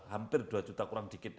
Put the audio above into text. hampir dua juta kurang dikit